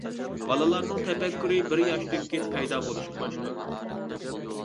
بالىلارنىڭ تەپەككۇرى بىر ياشتىن كېيىن پەيدا بولۇشقا باشلايدۇ.